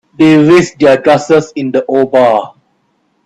They raised their glasses in the old bar.